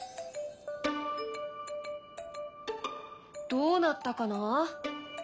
どうなったかな？